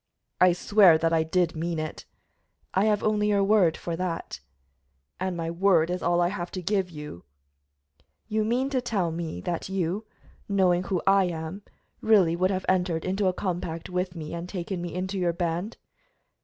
"I swear that I did mean it." "I have only your word for that." "And my word is all I have to give you." "You mean to tell me that you, knowing who I am, really would have entered into a compact with me and taken me into your band?"